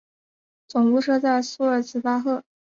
总部设在苏尔茨巴赫。